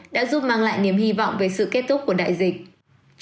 đã giúp mang lại niềm hy vọng về sự kết thúc của đại dịch